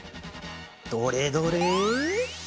どれどれ？